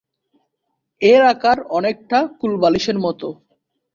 এর আকার অনেকটা কোল বালিশের মতো।